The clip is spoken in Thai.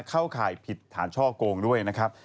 เข้าข่ายผิดฐานช่อโกงด้วยนะครับ